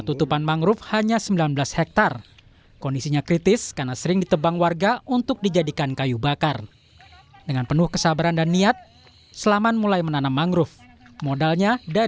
kita nanam nanam sendiri dan tidak ada yang menjadi pemandu penanaman tidak ada